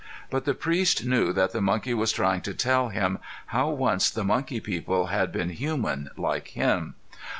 But the priest knew that the monkey was trying to tell him how once the monkey people had been human like him.